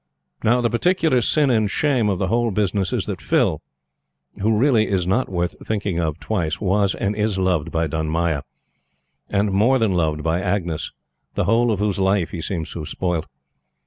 Now the particular sin and shame of the whole business is that Phil, who really is not worth thinking of twice, was and is loved by Dunmaya, and more than loved by Agnes, the whole of whose life he seems to have spoilt.